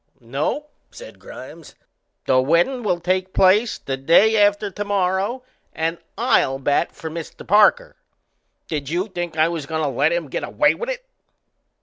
"No," said Grimes. "The weddin' will take place the day after tomorrow and I'll bat for Mr. Parker. Did you think I was goin' to let him get away with it?"